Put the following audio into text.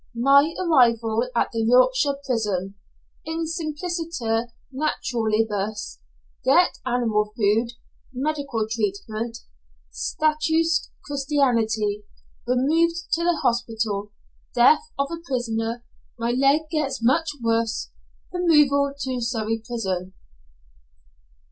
MY ARRIVAL AT THE YORKSHIRE PRISON IN SIMPLICITER NATURALIBUS GET ANIMAL FOOD MEDICAL TREATMENT STATUESQUE CHRISTIANITY REMOVED TO THE HOSPITAL DEATH OF A PRISONER MY LEG GETS MUCH WORSE REMOVAL TO SURREY PRISON.